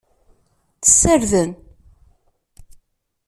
Ssarden.